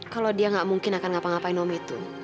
kalau dia nggak mungkin akan ngapa ngapain om itu